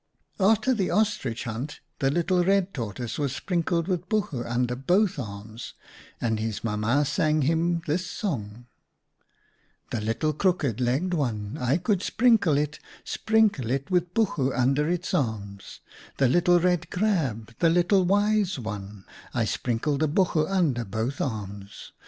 '" After the Ostrich hunt, the little Red Tortoise was sprinkled with buchu under both arms, and his Mam ma sang him this song :— The little crook legged one ! I could sprinkle it, Sprinkle it with buchu under its arms. K 146 OUTA KARELS STORIES The little red crab ! The little Wise One ! I sprinkle the buchu under both arms.